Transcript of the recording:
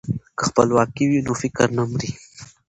که خپلواکي وي نو فکر نه مري.